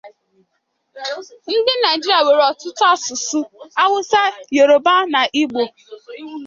Ndi Naijeria nwere otutu asusu; Hausa, Yoruba na Igbo.